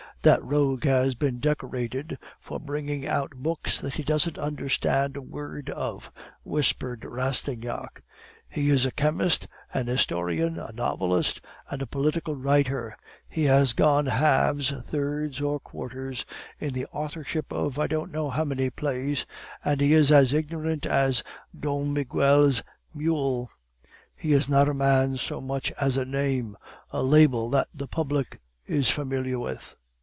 "'That rogue has been decorated for bringing out books that he doesn't understand a word of,' whispered Rastignac; 'he is a chemist, a historian, a novelist, and a political writer; he has gone halves, thirds, or quarters in the authorship of I don't know how many plays, and he is as ignorant as Dom Miguel's mule. He is not a man so much as a name, a label that the public is familiar with.